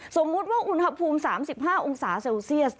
สมมุติว่าอุณหภูมิ๓๕องศาเซลเซียส